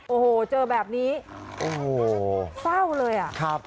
โอ้โหเจอแบบนี้โอ้โหเศร้าเลยอ่ะครับ